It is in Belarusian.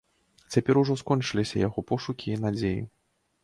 Цяпер ужо скончыліся яго пошукі і надзеі.